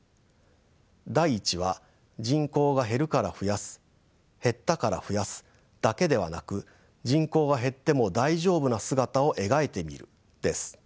第１は「人口が減るから増やす減ったから増やす」だけではなく「人口が減っても大丈夫な姿を描いてみる」です。